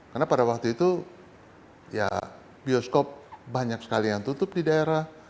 karena pada waktu itu bioskop banyak sekali yang tutup di daerah